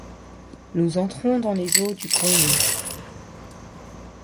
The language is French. Nous entrons dans les eaux du Congo.